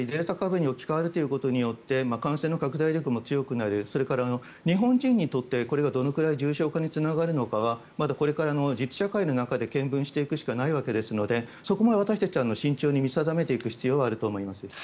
デルタ株に置き換わることによって感染力も強くなるそれから日本人にとってどれくらい影響があるかはこれから実社会で見分していくしかないわけですのでそこは私たち慎重に見定めていく必要があると思います。